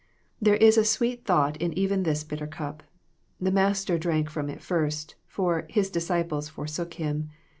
There is a sweet thought in even this bitter cup. The Master drank from it first, for "his disciples forsook him".'